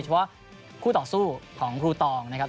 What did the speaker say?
เฉพาะคู่ต่อสู้ของครูตองนะครับ